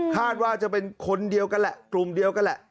คาดว่าจะเป็นคนเดียวกันแหละกลุ่มเดียวกันแหละ